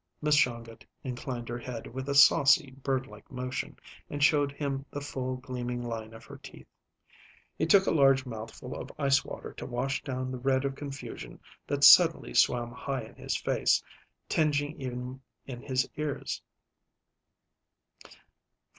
Miss Shongut inclined her head with a saucy, birdlike motion, and showed him the full gleaming line of her teeth. He took a large mouthful of ice water to wash down the red of confusion that suddenly swam high in his face, tingeing even his ears.